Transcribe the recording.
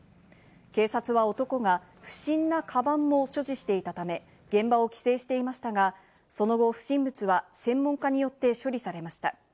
警察は男が不審なカバンも所持していたため、現場を規制していましたが、その後、不審物は専門家によって処理されました。